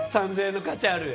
３０００円の価値ある？